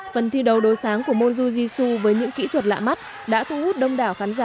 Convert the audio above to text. phần thi đấu đối kháng của môn jiu jitsu với những kỹ thuật lạ mắt đã thu hút đông đảo khán giả